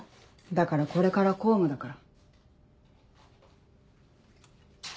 だからこれから公務だから。